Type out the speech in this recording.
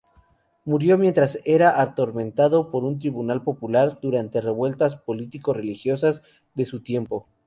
Murió mientras era atormentado por un tribunal popular durante revueltas político-religiosas de su tiempo.